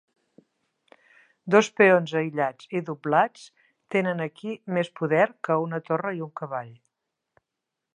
Dos peons aïllats i doblats tenen aquí més poder que una torre i un cavall.